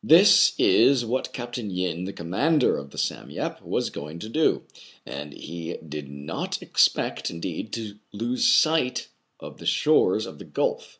This is what Capt. Yin, the commander of the " Sam Yep " was going to do ; and he did not ex pect,'indeed, to lose sight of the shores of the gulf.